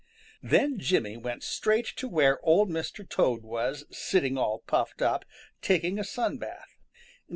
Then Jimmy went straight to where Old Mr. Toad was sitting all puffed up, taking a sun bath.